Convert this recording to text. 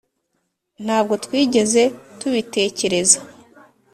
ntabwo twigeze tubitekereza.